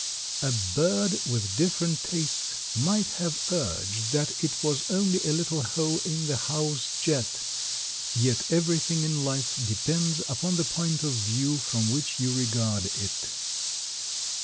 A bird with different tastes might have urged that it was only a little hole in the house jet, yet everything in life depends upon the point of view from which you regard it.